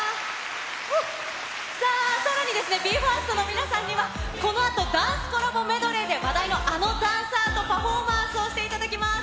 さあ、さらにＢＥ：ＦＩＲＳＴの皆さんには、このあとダンスコラボメドレーで話題のあのダンサーとパフォーマンスをしていただきます。